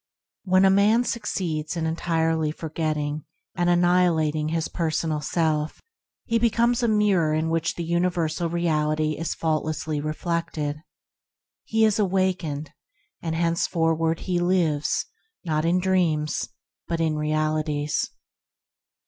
When a man succeeds in entirely forgetting and annihilating his personal self, he be comes a mirror in which the universal Reality is faultlessly reflected. He is awakened, 100 THE HEAVENLY LIFE and henceforward he lives, not in dreams, but realities.